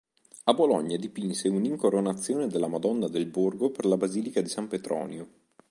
A Bologna dipinse un"'Incoronazione della Madonna del Borgo" per la Basilica di San Petronio.